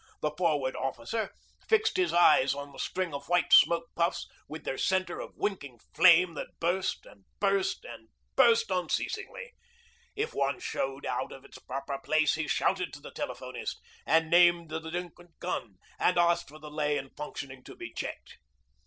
The Forward Officer fixed his eyes on the string of white smoke puffs with their centre of winking flame that burst and burst and burst unceasingly. If one showed out of its proper place he shouted to the telephonist and named the delinquent gun, and asked for the lay and fuse setting to be checked.